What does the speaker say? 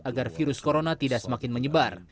agar virus corona tidak semakin menyebar